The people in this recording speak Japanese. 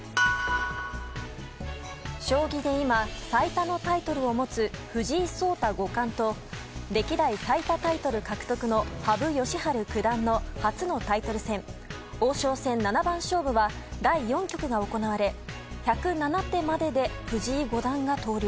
将棋で今、最多のタイトルを持つ藤井聡太五冠と歴代最多タイトル獲得の羽生善治九段の初のタイトル戦王将戦七番勝負は第４局が行われ１０７手までで藤井五冠が投了。